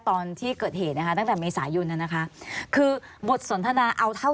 ตอนที่เกิดเหตุนะครับตั้งแต่ในสายุนนะครับ